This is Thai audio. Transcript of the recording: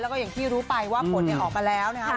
แล้วก็อย่างที่รู้ไปว่าผลออกมาแล้วนะคะ